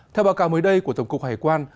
theo báo cáo mới đây của tổng cục hải quan